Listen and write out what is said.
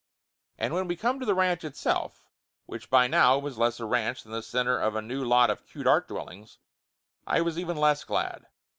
And when we come to the ranch itself, which by now it was less a ranch than the center of a new lot of cute art dwellings, I was even less glad.